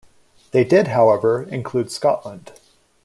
They did, however, include Scotland.